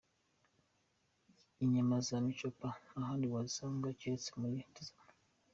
Inyama za Michopa nta handi wazisanga keretse muri Tizama.